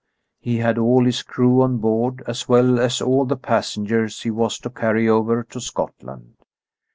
He had all his crew on board, as well as all the passengers he was to carry over to Scotland.